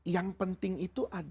yang penting itu ada